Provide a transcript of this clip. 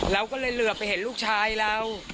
เราก็เลยเหลือบเห็นลูกชายเรา๐๓๓๕๐๐๑๐๐๑